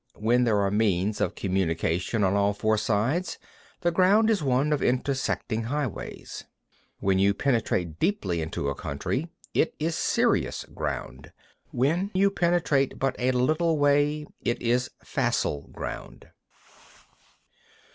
When there are means of communication on all four sides, the ground is one of intersecting highways. 44. When you penetrate deeply into a country, it is serious ground. When you penetrate but a little way, it is facile ground.